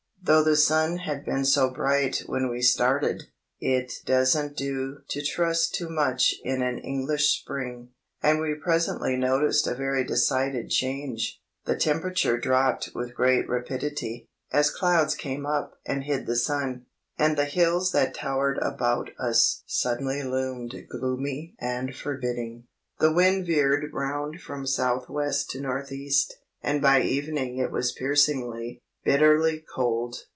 Though the sun had been so bright when we started, it doesn't do to trust too much in an English spring, and we presently noticed a very decided change; the temperature dropped with great rapidity, as clouds came up and hid the sun, and the hills that towered about us suddenly loomed gloomy and forbidding. The wind veered round from south west to north east; and by evening it was piercingly, bitterly cold.